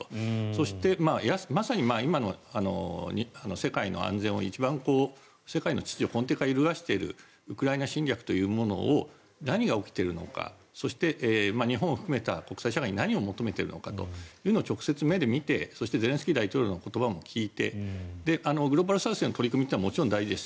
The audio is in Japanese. そして、まさに今の世界の安全を一番世界の秩序を根底から揺るがしているウクライナ侵略というものを何が起きているのかそして、日本を含めた国際社会に何を求めているのかというのを直接、目で見てそしてゼレンスキー大統領の言葉を聞いてグローバルサウスの取り組みはもちろん大事です。